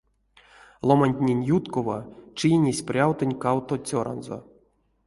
Ломантнень юткова чийнесть прявтонть кавто цёранзо.